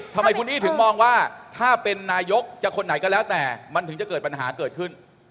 ทำไมคุณอี้ถึงมองว่าถ้าเป็นนายกจะคนไหนก็แล้วแต่มันถึงจะเกิดปัญหาเกิดขึ้น